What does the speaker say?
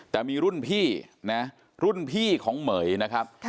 แต่มีรุ่นพี่นะรุ่นพี่ของเหม๋ยนะครับ